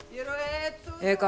ええか？